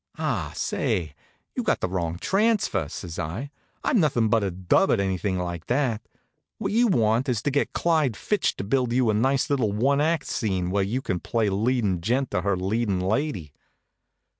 "Ah, say, you got the wrong transfer," says I. "I'm nothin' but a dub at anything like that. What you want is to get Clyde Fitch to build you a nice little one act scene where you can play leadin' gent to her leadin' lady."